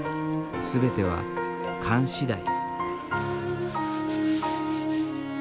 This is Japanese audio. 全ては勘次第。